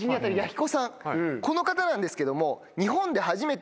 この方なんですけども。